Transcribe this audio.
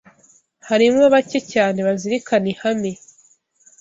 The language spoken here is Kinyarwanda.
harimo bake cyane bazirikana ihame